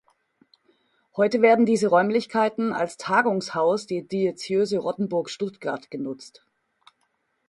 Heute werden diese Räumlichkeiten als Tagungshaus der Diözese Rottenburg-Stuttgart genutzt.